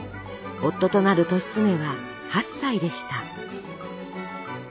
夫となる利常は８歳でした。